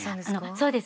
そうです。